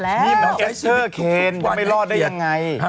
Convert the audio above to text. เอสเตอร์เคนก็ไม่รอดได้ยังไง